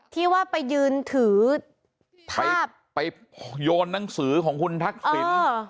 ที่ว่าไปยืนถือไปโยนหนังสือของคุณทักษิณ